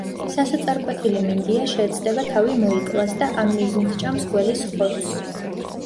სასოწარკვეთილი მინდია შეეცდება თავი მოიკლას და ამ მიზნით ჭამს გველის ხორცს.